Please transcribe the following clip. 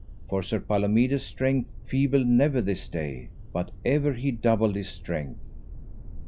for Sir Palomides' strength feebled never this day, but ever he doubled his strength.